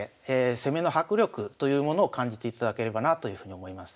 攻めの迫力というものを感じていただければなというふうに思います。